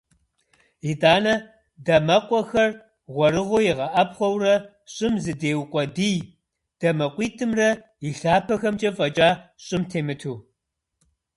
ИтӀанэ, дамэкъуэхэр гъуэрыгъуэу игъэӀэпхъуэурэ щӀым зыдеукъуэдий, дамэкъуитӀымрэ и лъапэхэмкӀэ фӀэкӀа щӀым темыту.